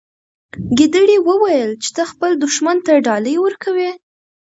ګیدړې وویل چې ته خپل دښمن ته ډالۍ ورکوي.